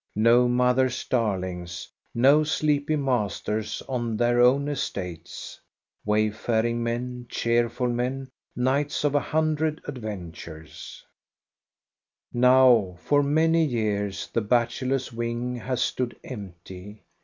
^ No mother's daffKlts, no sleepy masters gA their own estates. Wsjpfffing men, cheerful men, Rights of afdiundred adytaftc^ Now for many yeArs the bachelors' wing has stood empty.